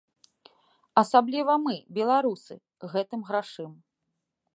Асабліва мы, беларусы, гэтым грашым.